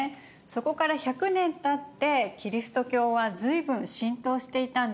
そこから１００年たってキリスト教は随分浸透していたんでしょうか？